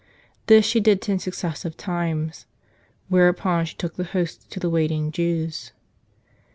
This she did ten successive times, whereupon she took the Hosts to the waiting Jews.